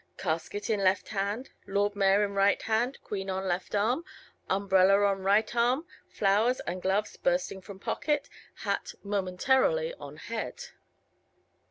Casket in left hand, Lord Mayor in right hand Queen on left arm, umbrella on right arm flowers and gloves bursting from pockets hat (momentarily) on head.